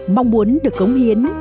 mong muốn được cống hiến